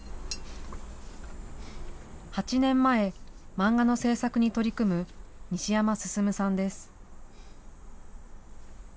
８年前、漫画の制作に取り組む西山進さんです。